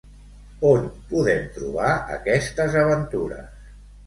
On podem trobar aquestes aventures?